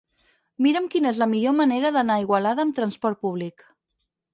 Mira'm quina és la millor manera d'anar a Igualada amb trasport públic.